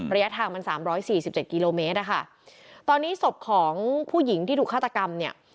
ระยะทางมัน๓๔๗กิโลเมตรค่ะตอนนี้ศพของผู้หญิงที่ถูกฆาตกรรมเนี่ย